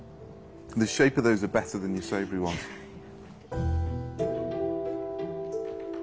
はい。